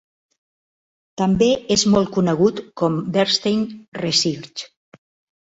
També és molt conegut com Bernstein Research.